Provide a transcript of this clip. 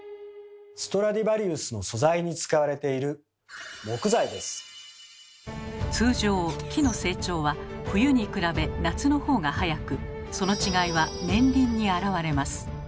ストラディヴァリウスの素材に使われている通常木の成長は冬に比べ夏のほうが速くその違いは年輪に現れます。